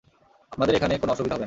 আপনাদের এখানে কোনো অসুবিধা হবে না।